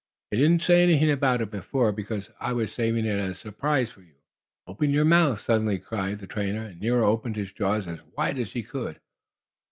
I didn't say anything about it before, because I was saving it as a surprise for you. "Open your mouth!" suddenly cried the trainer, and Nero opened his jaws as wide as he could.